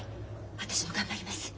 私も頑張ります。